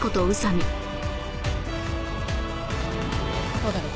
どうだろう？